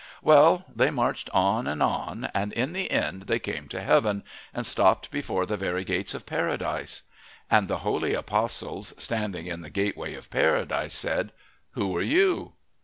Well, they marched on and on, and in the end they came to heaven, and stopped before the very gates of Paradise. And the holy apostles, standing in the gateway of Paradise, said: "Who are you?"